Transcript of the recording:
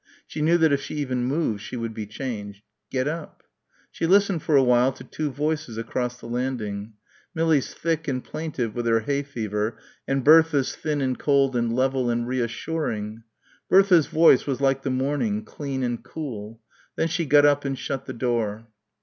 She knew that if she even moved she would be changed. "Get up." She listened for a while to two voices across the landing. Millie's thick and plaintive with her hay fever and Bertha's thin and cold and level and reassuring.... Bertha's voice was like the morning, clean and cool.... Then she got up and shut the door.